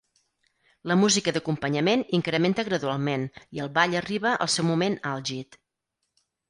La música d'acompanyament incrementa gradualment i el ball arriba al seu moment àlgid.